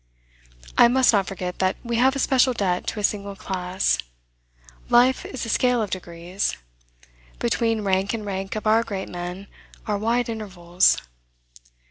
I must not forget that we have a special debt to a single class. Life is a scale of degrees. Between rank and rank of our great men are wide intervals.